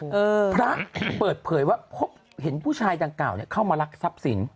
พระเปิดเผยว่าเห็นผู้ชายจังกล่าวเข้ามารักทรัพย์สิน